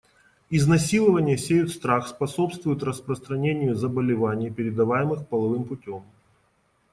Изнасилования сеют страх, способствуют распространению заболеваний, передаваемых половым путем.